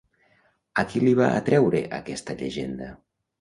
A qui li va atreure aquesta llegenda?